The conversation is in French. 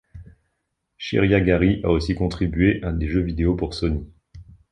Shiriagari a aussi contribué à des jeux vidéo pour Sony.